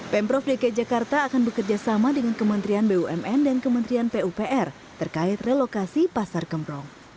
pemprov dki jakarta akan bekerjasama dengan kementerian bumn dan kementerian pupr terkait relokasi pasar gemprong